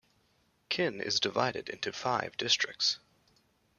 Kin is divided into five districts.